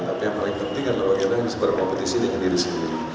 tapi yang paling penting adalah bagaimana berkompetisi dengan diri sendiri